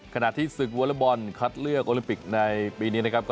ขณะที่ศึกวอเลอร์บอลคัดเลือกโอลิมปิกในปีนี้นะครับ